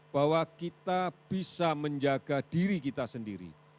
bahwa kita bisa menjaga diri kita sendiri